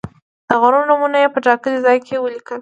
د غرونو نومونه یې په ټاکلي ځای کې ولیکئ.